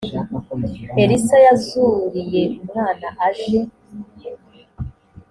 elisa yazuriye umwana aje